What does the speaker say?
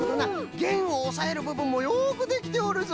げんをおさえるぶぶんもよくできておるぞ。